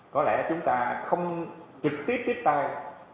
có lẽ chúng ta không trực tiếp tiếp tài